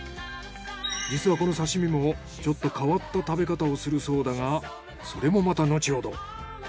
実はこの刺身もちょっと変わった食べ方をするそうだがそれもまたのちほど。